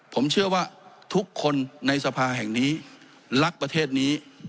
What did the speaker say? ผมเชื่อว่าทุกคนในสภาแห่งนี้รักประเทศนี้